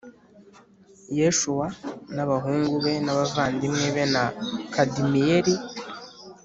Yeshuwa n abahungu be n abavandimwe be na Kadimiyeli